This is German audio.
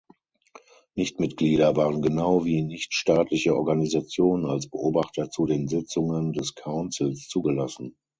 Nichtmitglieder waren genau wie nichtstaatliche Organisationen als Beobachter zu den Sitzungen des Councils zugelassen.